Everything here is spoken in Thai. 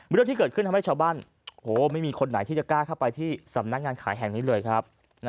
เรื่องที่เกิดขึ้นทำให้ชาวบ้านไม่มีคนไหนที่จะกล้าเข้าไปที่สำนักงานขายแห่งนี้เลยครับ